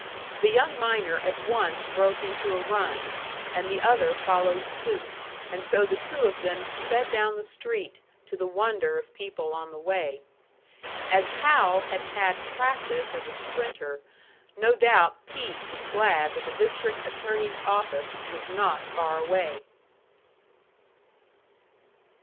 The young miner at once broke into a run, and the other followed suit, and so the two of them sped down the street, to the wonder of people on the way. As Hal had had practice as a sprinter, no doubt Pete was glad that the District Attorney's office was not far away!